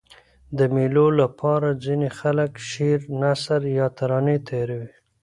د مېلو له پاره ځيني خلک شعر، نثر یا ترانې تیاروي.